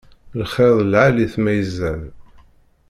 Lxiṛ d lɛali-t ma izad.